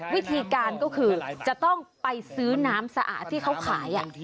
วิธีการก็คือจะต้องไปซื้อน้ำสะอาดที่เขาขาย